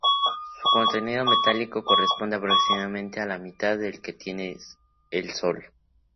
Su contenido metálico corresponde aproximadamente a la mitad del que tiene el Sol.